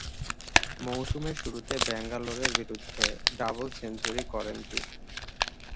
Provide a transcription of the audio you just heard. মৌসুমের শুরুতে ব্যাঙ্গালোরের বিরুদ্ধে ডাবল সেঞ্চুরি করেন তিনি।